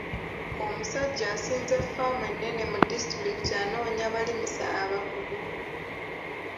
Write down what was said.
Omusajja asinza ffaamu ennene mu disitulikiti anoonya balimisa abakugu.